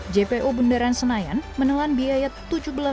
jpo bunderan senayan pemprov dki jakarta dan pemprov dki jakarta